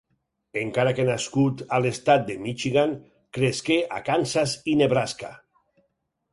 Encara que nascut a l'estat de Michigan, cresqué a Kansas i Nebraska.